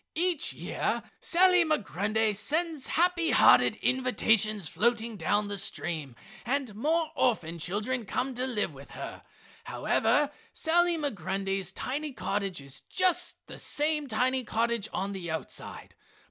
Each year Sally Migrundy sends happy hearted invitations floating down the stream and more orphan children come to live with her. However Sally Migrundy's tiny cottage is just the same tiny cottage on the outside.